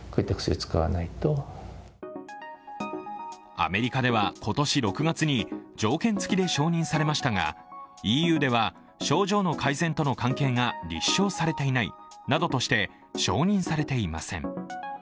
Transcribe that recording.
アメリカでは今年６月に条件付きで承認されましたが、ＥＵでは症状の改善との関係が立証されていないなどとして承認されていません。